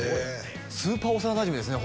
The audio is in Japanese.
スーパー幼なじみですね